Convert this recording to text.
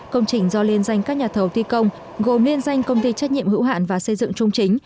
công trình do liên danh các nhà thầu thi công gồm liên danh công ty trách nhiệm hữu hạn và xây dựng trung chính